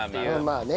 まあね。